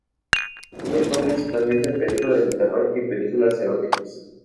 Ella actuó principalmente en películas de terror y películas eróticas.